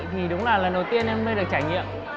thì đúng là lần đầu tiên em mới được trải nghiệm